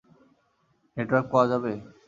Network পাওয়া যাবে?